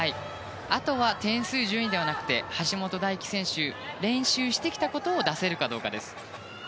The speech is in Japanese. あとは点数順位ではなくて橋本大輝選手練習してきたことを出せるかどうかです。